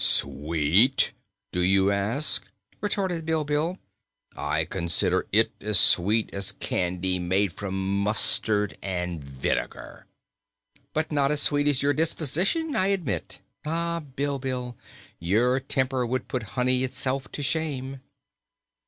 "Sweet, do you ask?" retorted Bilbil. "I consider it as sweet as candy made from mustard and vinegar." "But not as sweet as your disposition, I admit. Ah, Bilbil, your temper would put honey itself to shame."